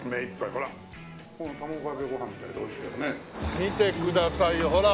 見てくださいほら。